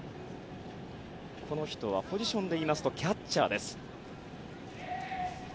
この人はポジションでいいますとキャッチャーです。